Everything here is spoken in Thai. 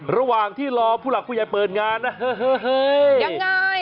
ระหว่างที่รอผู้หลักผู้ใหญ่เปิดงานนะยังไง